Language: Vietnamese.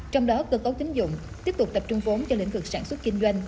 trong đó cơ cấu tính dụng tiếp tục tập trung vốn cho lĩnh vực sản xuất kinh doanh